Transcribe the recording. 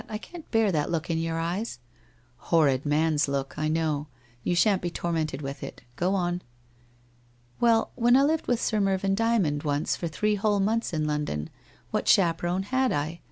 I can't bear that look in your eyes.' ' Horrid man's look ! I know. You shan't be tor mented with it. Go on.' ' Well, when I lived with Sir Mervyn Dymond, once, for three whole months in London, what chaperon had I?